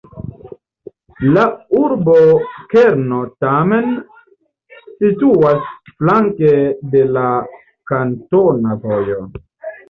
La urbokerno tamen situas flanke de la kantona vojo.